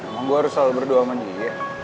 emang gue harus selalu berdua sama dia